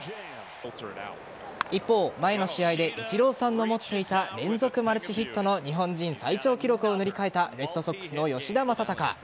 一方、前の試合でイチローさんの持っていた連続マルチヒットの日本人最長記録を塗り替えたレッドソックスの吉田正尚。